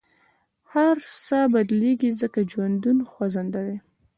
هر څه بدلېږي، ځکه ژوند خوځنده دی.